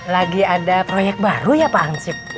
lagi ada proyek baru ya pak angsip